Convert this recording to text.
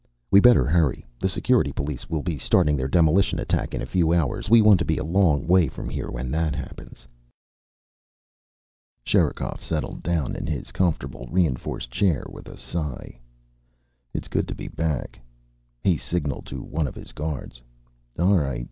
"We better hurry. The Security police will be starting their demolition attack in a few hours. We want to be a long way from here when that begins." Sherikov settled down in his comfortable reinforced chair with a sigh. "It's good to be back." He signalled to one of his guards. "All right.